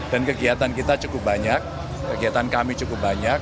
dan kegiatan kita cukup banyak kegiatan kami cukup banyak